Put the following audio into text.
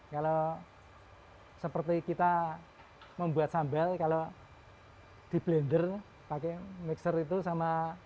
kalau seperti kita membuat sambal kalau di blender pakai mixer itu sama